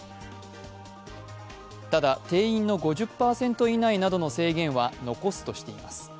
ただ、定員の５０％以内などの制限は残すとしています。